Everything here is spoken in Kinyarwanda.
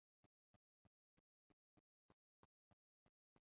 Yakobo -yashyize umwobo wa